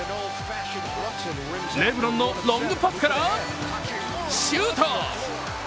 レブロンのロングパスからシュート！